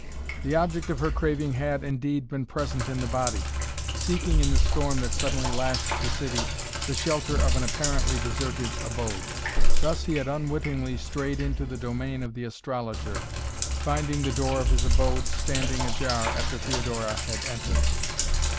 The object of her craving had, indeed, been present in the body, seeking in the storm that suddenly lashed the city the shelter of an apparently deserted abode. Thus he had unwittingly strayed into the domain of the astrologer, finding the door of his abode standing ajar after Theodora had entered.